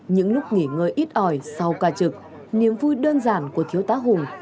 những lúc nghỉ ngơi ít ỏi sau ca trực niềm vui đơn giản của thiếu tá hùng